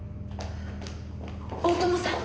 大友さん。